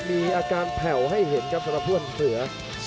มีอาการแผ่วให้เห็นครับสำหรับเพื่อนเสือ